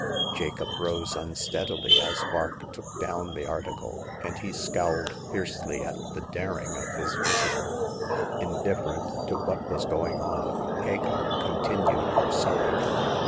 Jacob rose unsteadily as Vark took down the article, and he scowled fiercely at the daring of his visitor. Indifferent to what was going on, Hagar continued her sewing.